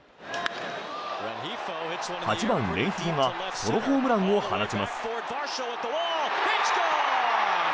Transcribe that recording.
８番、レンヒーフォがソロホームランを放ちます。